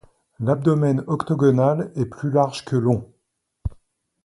L'abdomen octogonal est plus large que long.